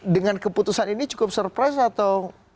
dengan keputusan ini cukup surprise atau